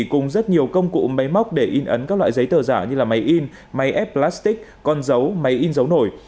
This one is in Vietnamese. cùng rất nhiều công cụ máy móc để in ấn các loại giấy tờ giả như máy in máy ép plastic con dấu máy in dấu nổi